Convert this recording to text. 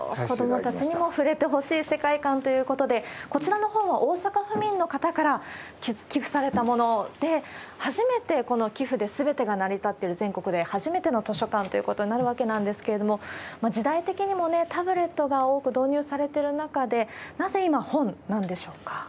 子どもたちにも触れてほしい世界観ということで、こちらの本は大阪府民の方から寄付されたもので、初めてこの寄付ですべてが成り立っている、全国で初めての図書館ということになるわけなんですけれども、時代的にもタブレットが多く導入されてる中で、なぜ今、本なんでしょうか。